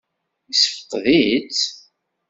Yessefqed-itt?